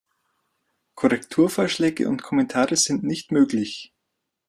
Korrekturvorschläge und Kommentare sind nicht möglich.